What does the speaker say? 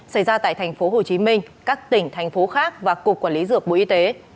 xảy ra tại tp hcm các tỉnh thành phố khác và cục quản lý dược bộ y tế